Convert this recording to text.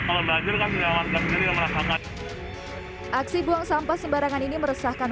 kalau baju kasih lawan kembali yang merasakan aksi buang sampah sembarangan ini meresahkan